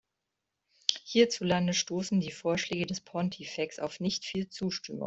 Hierzulande stoßen die Vorschläge des Pontifex auf nicht viel Zustimmung.